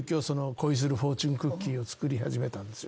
『恋するフォーチュンクッキー』を作り始めたんですよ。